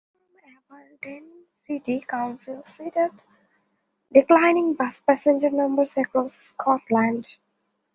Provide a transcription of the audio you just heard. A councillor from Aberdeen City Council cited declining bus passenger numbers across Scotland.